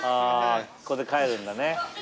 ここで帰るんだね。